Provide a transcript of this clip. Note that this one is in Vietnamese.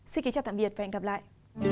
xin kính chào tạm biệt và hẹn gặp lại